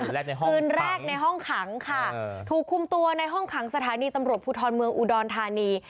แรกในห้องคืนแรกในห้องขังค่ะถูกคุมตัวในห้องขังสถานีตำรวจภูทรเมืองอุดรธานี